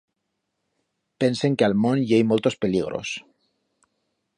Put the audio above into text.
Pensen que a'l mont i hei moltos peligros.